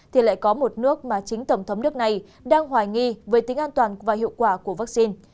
thì lại có một nước mà chính tổng thống nước này đang hoài nghi về tính an toàn và hiệu quả của vaccine